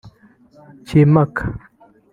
Kimaka